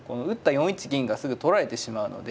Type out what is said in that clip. ４一銀がすぐ取られてしまうので。